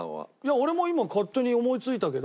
俺も今勝手に思いついたけど。